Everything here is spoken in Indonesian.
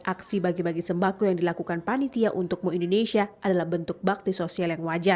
aksi bagi bagi sembako yang dilakukan panitia untuk mo indonesia adalah bentuk bakti sosial